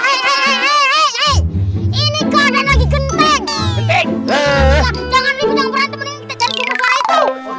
jangan ribet jangan berantem